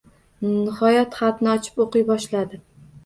Nihoyat, xatni ochib o`qiy boshladi